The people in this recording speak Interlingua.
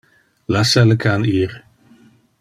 Lassa le can ir.